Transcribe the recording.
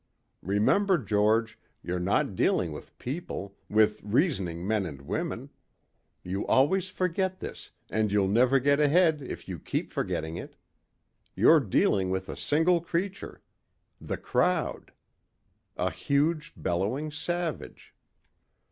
Remember, George, you're not dealing with people, with reasoning men and women. You always forget this and you'll never get ahead if you keep forgetting it. You're dealing with a single creature the crowd. A huge bellowing savage."